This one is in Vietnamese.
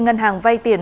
hình ảnh của việt